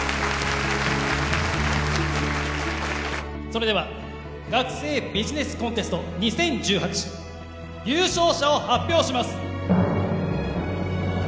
それでは学生ビジネスコンテスト２０１８優勝者を発表します